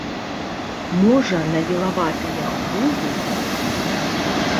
Можа, на вілаватыя хвоі?